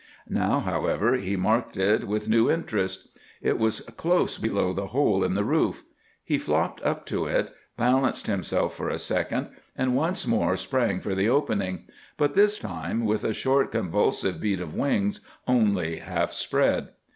Now, however, he marked it with new interest. It was close below the hole in the roof. He flopped up to it, balanced himself for a second, and once more sprang for the opening, but this time with a short, convulsive beat of wings only half spread.